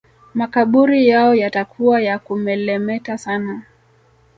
Makaburi yao yatakuwa ya kumelemeta sana